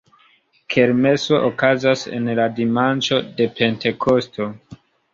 Kermeso okazas en la dimanĉo de Pentekosto.